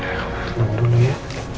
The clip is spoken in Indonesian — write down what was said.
oke kamu tenang dulu ya